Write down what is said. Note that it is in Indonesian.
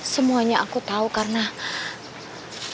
semuanya aku tahu karena